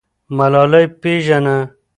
ملالۍ پیژنه.